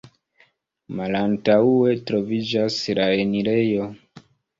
Malantaŭe troviĝas la enirejo.